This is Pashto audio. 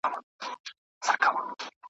را ته جوړ که یو سیلاب د پیمانو